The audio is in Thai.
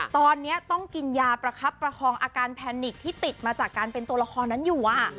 ตอนนี้ต้องกินยาประคับประคองอาการแพนิกที่ติดมาจากการเป็นตัวละครนั้นอยู่